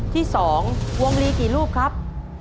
ที่๒วงลีกี่รูปครับ